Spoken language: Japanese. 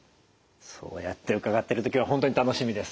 そうやって伺ってると今日は本当に楽しみです。